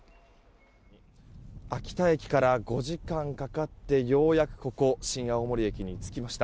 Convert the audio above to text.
秋田駅から５時間かかってようやくここ新青森駅に着きました。